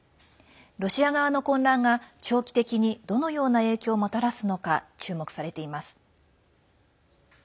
ロシア側の混乱が、長期的にどのような影響をもたらすのか注目されています。